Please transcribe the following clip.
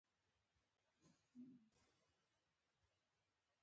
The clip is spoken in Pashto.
زه د خپلې کورنۍ د غړو سره مینه لرم.